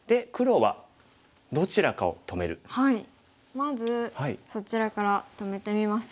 まずそちらから止めてみますか？